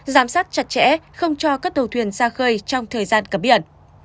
giám sát chặt chẽ không cho các tàu thuyền xa khơi trong thời gian cấm biển